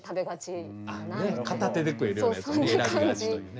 片手で食えるようなやつになりがちというね。